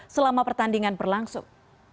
selama pertandingan berlangsung